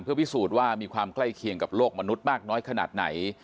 พิสูจน์ว่ามีความใกล้เคียงกับโลกมนุษย์มากน้อยขนาดไหน